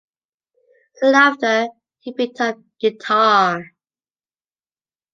Soon after, he picked up guitar.